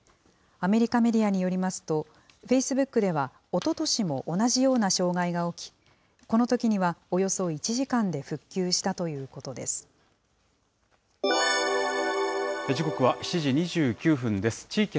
アメリカメディアによりますと、フェイスブックではおととしも同じような障害が起き、このときにはおよそ１時間で復旧したという時刻は７時２９分です。